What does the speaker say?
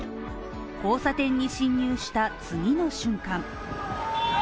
交差点に進入した次の瞬間。